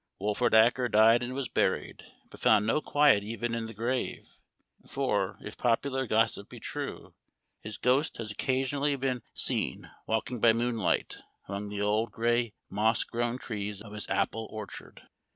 " Wolfert Acker died and was buried, but found no quiet even in the grave ; for, if popular gossip be true, his ghost has occasionally been 260 Memoir of Washington Irving. seen walking by moonlight among the old gray moss grown trees of his apple orchard."